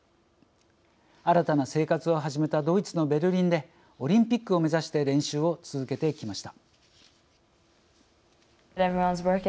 新たな生活を始めたドイツのベルリンでオリンピックを目指して練習を続けてきました。